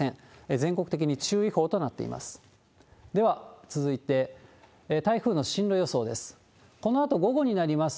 全国的に注意報となっています。